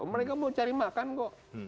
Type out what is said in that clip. mereka mau cari makan kok